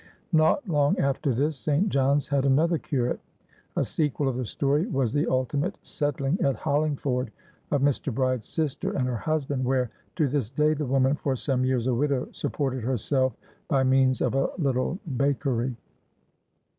Not long after this, St. John's had another curate. A sequel of the story was the ultimate settling at Hollingford of Mr. Bride's sister and her husband, where, to this day the woman, for some years a widow, supported herself by means of a little bakery.